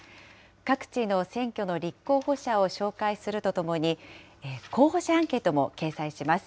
各地の選挙の立候補者を紹介するとともに、候補者アンケートも掲載します。